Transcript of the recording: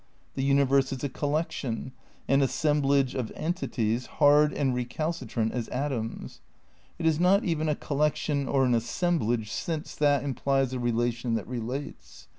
The universe is a collec tion, an assemblage of entities hard and recalcitrant as atoms. It is not even a collection or an assemblage since that implies a relation that relates.